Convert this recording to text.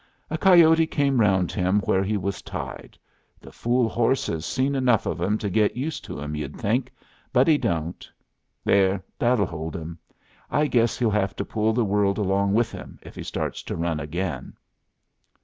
"A coyote come around him where he was tied. The fool horse has seen enough of 'em to git used to 'em, you'd think, but he don't. There; that'll hold him. I guess he'll have to pull the world along with him if he starts to run again."